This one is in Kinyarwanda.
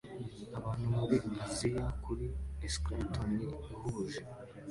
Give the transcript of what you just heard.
Abantu muri Aziya kuri escalator ihuze